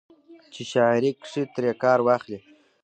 چې شاعرۍ کښې ترې کار واخلي